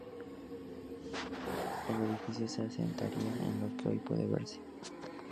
El edificio se asentaría en lo que hoy puede verse.